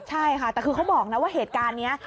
ใช่ค่ะแต่คือเขาบอกนะว่าเหตุการณ์นี้